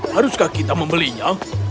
haruskah kita membelinya